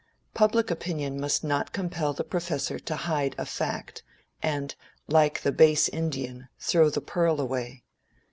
Public opinion must not compel the professor to hide a fact, and, "like the base Indian, throw the pearl away."